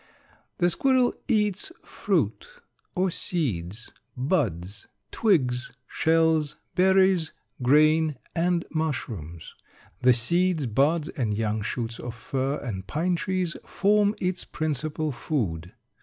The squirrel eats fruit or seeds, buds, twigs, shells, berries, grain, and mushrooms. The seeds, buds, and young shoots of fir and pine trees form its principal food.